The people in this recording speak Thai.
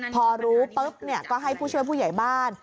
พอรู้ปุ๊บก็ให้ผู้ช่วยผู้ใหญ่บ้าน